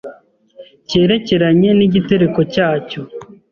cyerekeranye nigitereko cyacyo.